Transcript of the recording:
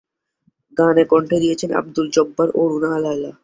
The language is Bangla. গানে কণ্ঠ দিয়েছেন আব্দুল জব্বার ও রুনা লায়লা।